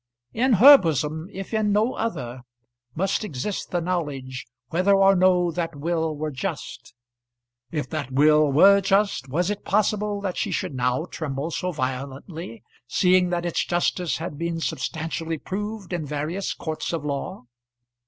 In her bosom, if in no other, must exist the knowledge whether or no that will were just. If that will were just, was it possible that she should now tremble so violently, seeing that its justice had been substantially proved in various courts of law?